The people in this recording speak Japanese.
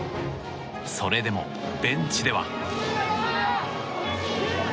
それでも、ベンチでは。